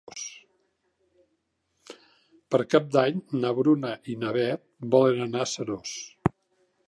Per Cap d'Any na Bruna i na Beth volen anar a Seròs.